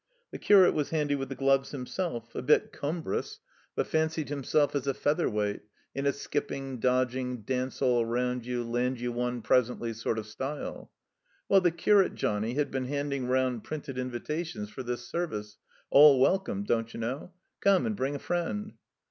The curate was handy with the gloves himself. A bit cumbrotis, lOO THE COMBINED MAZE but fancied himself as a featherweight, in a skipping, dodging, dance all round you, land you one pres ently sort of style. Well, the curate Johnnie had been handing round printed invitations for this Service. "All Welcome,*' don't you know? Come, and bring a Friend."